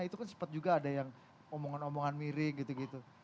itu kan sempat juga ada yang omongan omongan miring gitu gitu